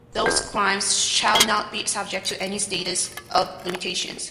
Those crimes "shall not be subject to any statute of limitations".